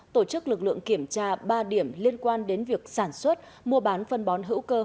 tổ chức lực lượng kiểm tra ba điểm liên quan đến việc sản xuất mua bán phân bón hữu cơ